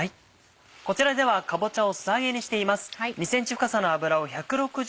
こちらではかぼちゃを素揚げにしています。